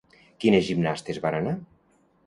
Quines gimnastes van anar?